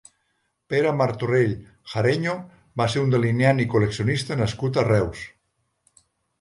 Pere Martorell Jareño va ser un delineant i col·leccionista nascut a Reus.